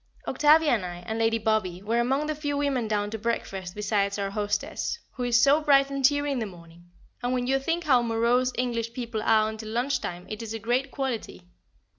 Octavia, and I, and Lady Bobby, were among the few women down to breakfast besides our hostess, who is so bright and cheery in the morning; and when you think how morose English people are until lunch time it is a great quality.